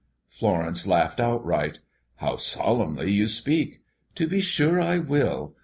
Florence laughed outright: "How solemnly you speak! To be sure I will.